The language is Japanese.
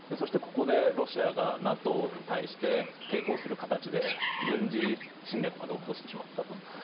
ここでロシアがＮＡＴＯに対して抵抗する形で軍事侵略まで起こしてしまったと。